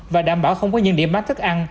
và đảm bảo không có những điểm mát thức ăn